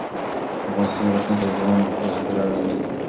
د افغانستان راتلونکی د ځوانانو په پوهه پورې اړه لري.